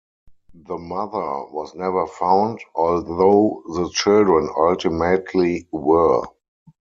The mother was never found, although the children ultimately were.